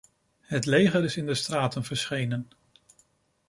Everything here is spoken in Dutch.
Het leger is in de straten verschenen.